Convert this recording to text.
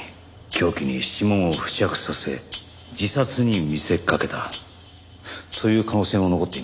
凶器に指紋を付着させ自殺に見せかけた。という可能性も残っています。